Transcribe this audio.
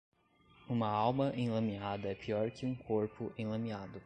Uma alma enlameada é pior que um corpo enlameado.